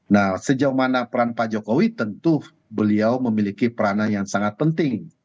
nah sejauh mana peran pak jokowi tentu beliau memiliki peranan yang sangat penting